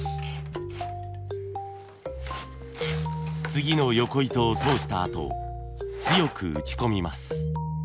次のよこ糸を通したあと強く打ち込みます。